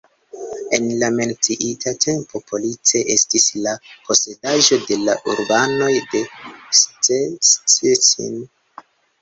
En la menciita tempo Police estis la posedaĵo de la urbanoj de Szczecin.